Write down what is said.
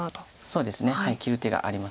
そうですね切る手がありますので。